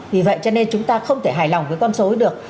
vì vậy cho nên chúng ta không thể hài lòng với con số được